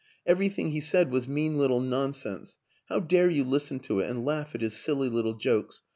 Everything he said was mean little nonsense how dare you listen to it and laugh at his silly little jokes?